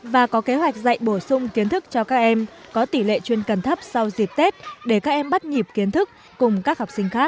và có kế hoạch dạy bổ sung kiến thức cho các em có tỷ lệ chuyên cần thấp sau dịp tết để các em bắt nhịp kiến thức cùng các học sinh khác